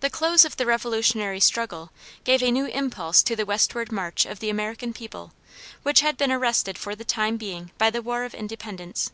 The close of the Revolutionary struggle gave a new impulse to the westward march of the American people, which had been arrested for the time being by the War of Independence.